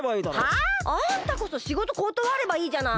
はあ？あんたこそしごとことわればいいじゃない。